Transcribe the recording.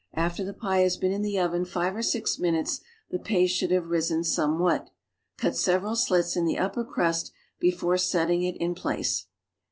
After the pie has been in the oven five or six minutes the paste should have risen somewhat. Cut several slits in the upper crust before setting it in place.